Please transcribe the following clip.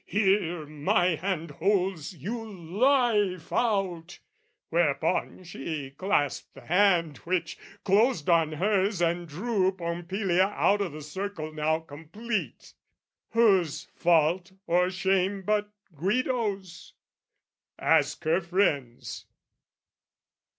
"Here my hand holds you life out!" Whereupon She clasped the hand, which closed on hers and drew Pompilia out o' the circle now complete. Whose fault or shame but Guido's? ask her friends.